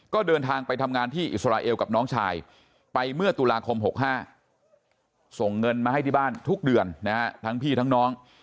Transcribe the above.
ก็เดินทางไปทำงานที่อิสราเอลกับน้องชายไปเมื่อตุลาคม๖๕ส่งเงินมาให้ที่บ้านทุกเดือนนะฮะทั้งพี่ทั้งน้อง